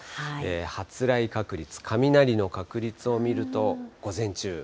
発雷確率、雷の確率を見ると、午前中。